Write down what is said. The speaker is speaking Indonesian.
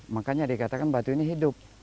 makanya dikatakan batu ini hidup